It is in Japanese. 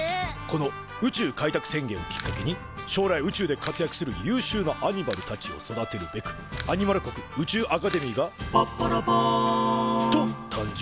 この宇宙開拓宣伝をきっかけに将来宇宙で活躍する優秀なアニマルたちを育てるべくアニマル国宇宙アカデミーが「ぱっぱらぱん」と誕生。